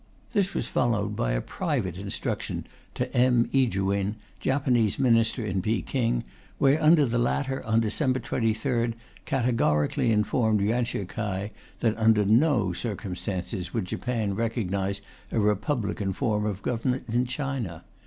This was followed by a private instruction to M. Ijuin, Japanese Minister in Peking, whereunder the latter on December 23rd categorically informed Yuan shi kai that under no circumstances would Japan recognize a republican form of government in China....